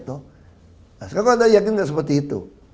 sekarang kalau anda yakin tidak seperti itu